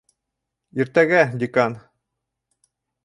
Иртәгә -декан!